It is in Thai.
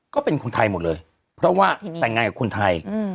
ก็เป็นคนไทยหมดเลยเพราะว่าแต่งงานกับคนไทย